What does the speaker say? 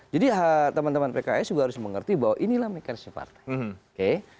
jadi teman teman pks juga harus mengerti bahwa inilah mekanism partai